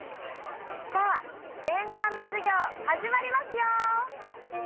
さあ洗顔の授業始まりますよ。